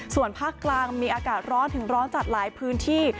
ส่วนภาคกลางมีอากาศร้อนถึงร้อนจัดหลายพื้นที่